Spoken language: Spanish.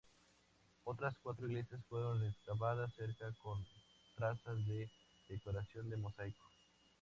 Otras cuatro iglesias fueron excavadas cerca con trazas de decoración de mosaico.